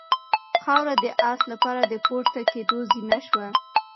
خاوره د آس لپاره د پورته کېدو زینه شوه.